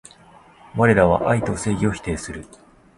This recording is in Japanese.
われらは愛と正義を否定する